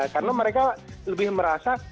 karena mereka lebih merasa